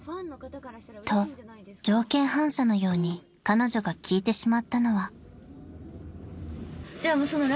［と条件反射のように彼女が聞いてしまったのは］